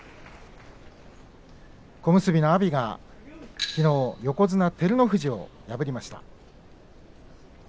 小結の阿炎が、きのう横綱照ノ富士を破りました。